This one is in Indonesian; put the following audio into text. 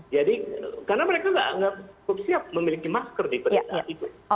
jadi karena mereka tidak siap memiliki masker di pedesaan itu